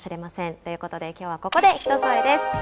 ということで、きょうはここで「ひとそえ」です。